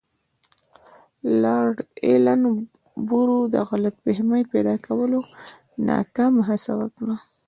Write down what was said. لارډ ایلن برو د غلط فهمۍ پیدا کولو ناکامه هڅه وکړه.